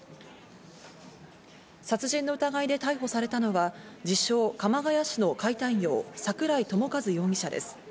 殺人の疑いで逮捕されたのは、自称・鎌ケ谷市の解体業、桜井朝和容疑者です。